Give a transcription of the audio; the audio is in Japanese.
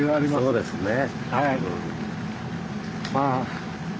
そうですね。